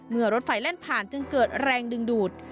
รถไฟแล่นผ่านจึงเกิดแรงดึงดูด